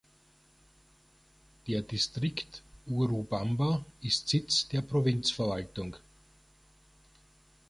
Der Distrikt Urubamba ist Sitz der Provinzverwaltung.